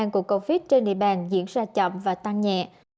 bằng cuộc covid trên địa bàn diễn ra chậm và tăng nhẹ